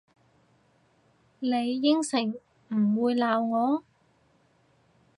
你應承唔會鬧我？